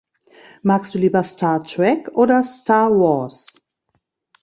Magst du lieber Star Trek oder Star Wars?